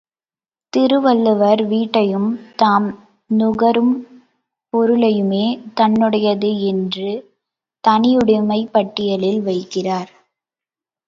திருவள்ளுவர் வீட்டையும் தாம் நுகரும் பொருளையுமே தன்னுடையது என்று தனியுடைமைப் பட்டியலில் வைக்கிறார்.